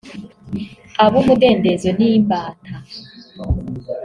abumudendezo n'imbata